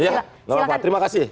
nggak apa apa terima kasih